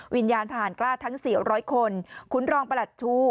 วิญญาณทหารกล้าทั้งสี่ร้อยคนคุณรองประหลัดชู